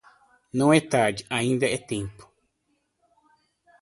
Não é tarde, ainda é tempo